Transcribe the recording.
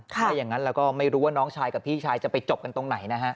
ถ้าอย่างนั้นเราก็ไม่รู้ว่าน้องชายกับพี่ชายจะไปจบกันตรงไหนนะฮะ